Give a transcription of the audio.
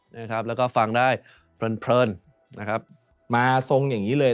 นะครับแล้วก็ฟังได้เพลินเพลินนะครับมาทรงอย่างงี้เลย